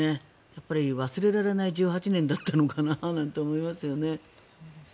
やっぱり忘れられない１８年だったのかななんて思いますよね。